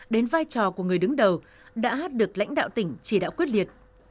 đến vai trò của người đứng đầu đã được lãnh đạo tỉnh chỉ đạo quyết liệt